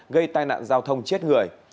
gây tai nạn giao thông chết người